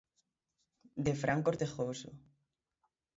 De Fran Cortegoso.